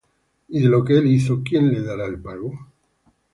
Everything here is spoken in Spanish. Y de lo que él hizo, ¿quién le dará el pago?